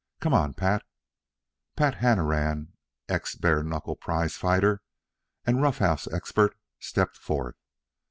Come on, Pat." Pat Hanrahan, ex bare knuckle prize fighter and roughhouse expert, stepped forth.